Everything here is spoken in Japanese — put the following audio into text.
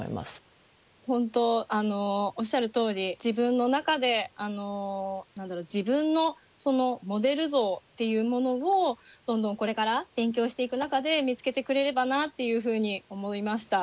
本当おっしゃるとおり自分の中で自分のモデル像っていうものをどんどんこれから勉強していく中で見つけてくれればなっていうふうに思いました。